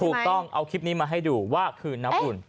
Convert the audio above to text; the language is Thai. ถูกต้องเอาคลิปนี้มาให้ดูว่าคือน้ำอุ่น